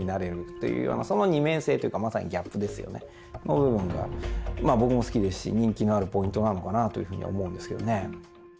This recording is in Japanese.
部分がまあ僕も好きですし人気のあるポイントなのかなというふうには思うんですけどね。